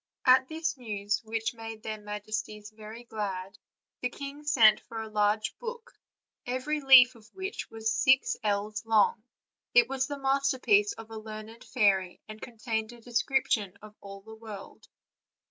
At this news, which made their majesties very glad, the king sent for a large book, every leaf of which was six ells long; it was the masterpiece of a learned fairy, and contained a description of all the world.